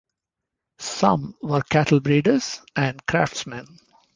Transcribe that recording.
Some were cattle-breeders and craftsmen.